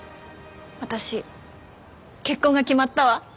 私結婚が決まったわ。